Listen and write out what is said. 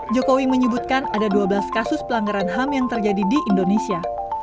jokowi menyebutkan ada dua belas kasus pelanggaran ham yang terjadi di indonesia